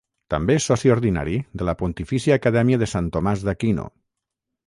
També és soci ordinari de la Pontifícia Acadèmia de Sant Tomàs d'Aquino.